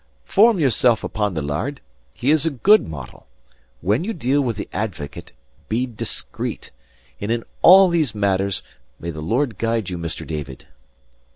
Form yourself upon the laird, he is a good model; when you deal with the Advocate, be discreet; and in all these matters, may the Lord guide you, Mr. David!"